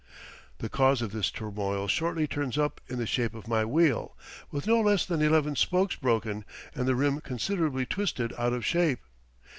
The cause of this turmoil shortly turns up in the shape of my wheel, with no less than eleven spokes broken, and the rim considerably twisted out of shape.